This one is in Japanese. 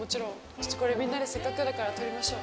みんなでせっかくだから撮りましょう。